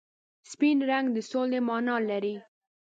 سپین رنګ د سولې مانا لري.